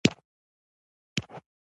چي پايله يې سيلابونه، د کوڅو ويجاړېدل،